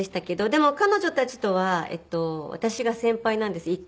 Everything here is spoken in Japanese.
でも彼女たちとは私が先輩なんです１個学年が。